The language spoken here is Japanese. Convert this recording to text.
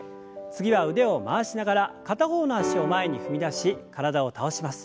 次は腕を回しながら片方の脚を前に踏み出し体を倒します。